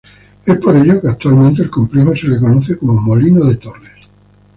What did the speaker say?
Es por ello que actualmente el complejo se lo conoce como Molino de Torres.